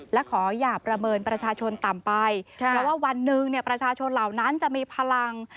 และขออย่าประเมินประชาชนต่ำไปเพราะว่าวันหนึ่งประชาชนเหล่านั้นจะมีพลัง